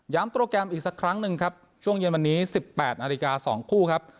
โปรแกรมอีกสักครั้งหนึ่งครับช่วงเย็นวันนี้๑๘นาฬิกา๒คู่ครับ